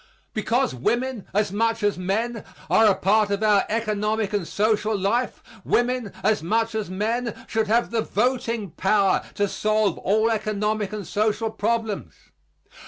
Because women, as much as men, are a part of our economic and social life, women, as much as men, should have the voting power to solve all economic and social problems.